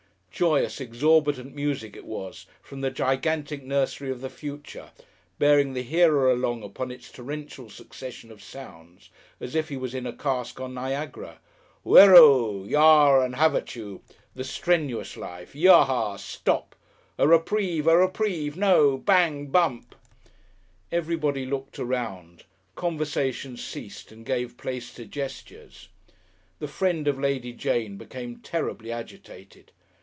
Joyous, exorbitant music it was from the gigantic nursery of the Future, bearing the hearer along upon its torrential succession of sounds, as if he was in a cask on Niagara. Whiroo! Yah and have at you! The strenuous Life! Yaha! Stop! A Reprieve! A Reprieve! No! Bang! Bump! Everybody looked around, conversation ceased and gave place to gestures. The friend of Lady Jane became terribly agitated.